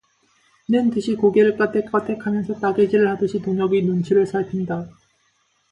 는 듯이 고개를 까땍까땍하면서 따개질을 하듯이 동혁의 눈치를 살핀다.